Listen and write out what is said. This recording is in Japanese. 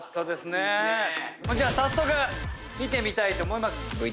では早速見てみたいと思います。